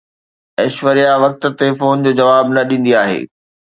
ايشوريا وقت تي فون جو جواب نه ڏيندي آهي